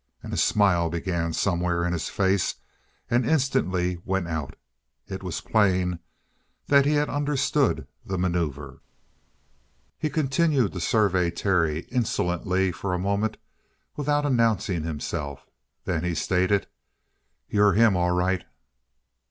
And a smile began somewhere in his face and instantly went out. It was plain that he had understood the maneuver. He continued to survey Terry insolently for a moment without announcing himself. Then he stated: "You're him, all right!"